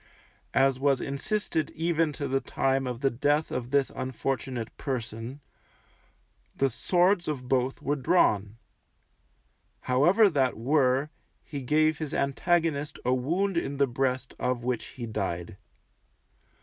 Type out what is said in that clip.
As was insisted even to the time of the death of this unfortunate person, the swords of both were drawn; however that were, he gave his antagonist a wound in the breast of which he died.